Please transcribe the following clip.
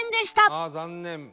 「ああ残念！」